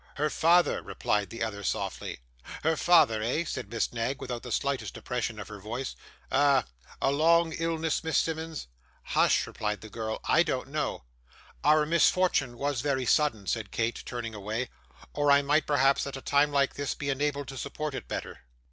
'Her father,' replied the other softly. 'Her father, eh?' said Miss Knag, without the slightest depression of her voice. 'Ah! A long illness, Miss Simmonds?' 'Hush,' replied the girl; 'I don't know.' 'Our misfortune was very sudden,' said Kate, turning away, 'or I might perhaps, at a time like this, be enabled to support it better.